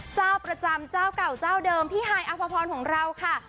เจ้าประจำเจ้าเก่าเจ้าเดิมพี่ฮายอภพรของเราค่ะ